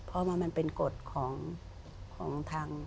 เพราะว่ามันเป็นกฎของทาง